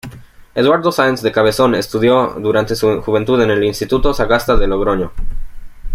Eduardo Sáenz de Cabezón estudió durante su juventud en el instituto Sagasta de Logroño.